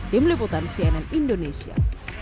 tim liputan cnn indonesia